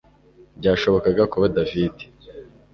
Byashobokaga kuba David